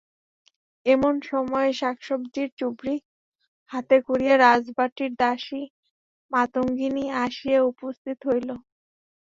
এমন সময়ে শাকসবজির চুবড়ি হাতে করিয়া রাজবাটীর দাসী মাতঙ্গিনী আসিয়া উপস্থিত হইল।